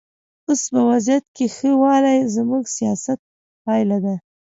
اوس په وضعیت کې ښه والی زموږ سیاست پایله ده.